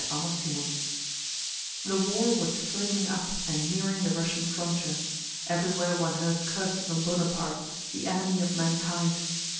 CHAPTER VIII The war was flaming up and nearing the Russian frontier. Everywhere one heard curses on Bonaparte, "the enemy of mankind."